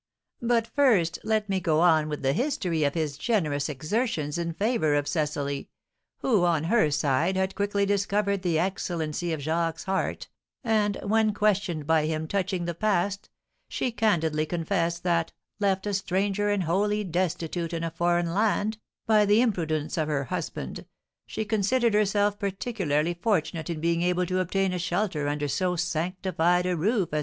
But first let me go on with the history of his generous exertions in favour of Cecily, who, on her side, had quickly discovered the excellency of Jacques's heart, and, when questioned by him touching the past, she candidly confessed that, left a stranger and wholly destitute in a foreign land, by the imprudence of her husband, she considered herself particularly fortunate in being able to obtain a shelter under so sanctified a roof as M.